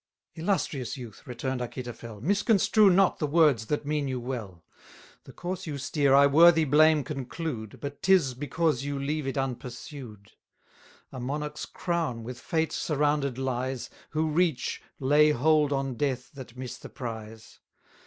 Illustrious youth! returned Achitophel, Misconstrue not the words that mean you well; The course you steer I worthy blame conclude, But 'tis because you leave it unpursued. A monarch's crown with fate surrounded lies, Who reach, lay hold on death that miss the prize.